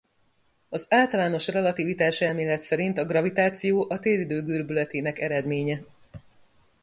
Az általános relativitáselmélet szerint a gravitáció a téridő görbületének eredménye.